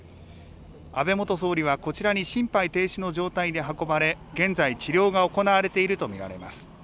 安倍元総理はこちらに心肺停止の状態で運ばれ、現在、治療が行われていると見られます。